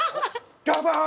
どうもー！